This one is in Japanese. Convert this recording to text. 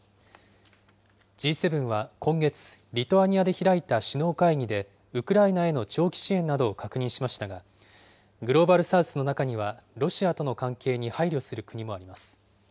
Ｇ７は今月、リトアニアで開いた首脳会議で、ウクライナへの長期支援などを確認しましたが、グローバル・サウスの中には、ロシアとの関係に配慮する国もあります。